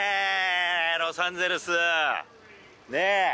ロサンゼルス。ねぇ？